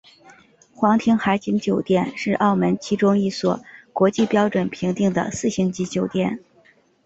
皇庭海景酒店是澳门其中一所国际标准评定的四星级酒店。